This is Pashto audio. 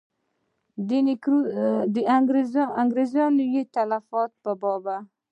د انګرېزیانو د تلفاتو په باب.